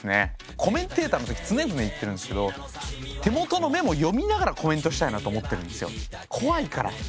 コメンテーターの時常々言ってるんですけど手元のメモ読みながらコメントしたいなと思ってるんですよ怖いから。